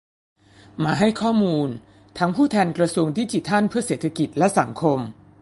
มาให้ข้อมูลทั้งผู้แทนกระทรวงดิจิทัลเพื่อเศรษฐกิจและสังคม